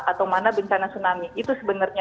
atau mana bencana tsunami itu sebenarnya